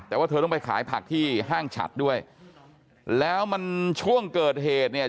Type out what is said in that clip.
แต่ว่าเธอต้องไปขายผักที่ห้างฉัดด้วยแล้วมันช่วงเกิดเหตุเนี่ย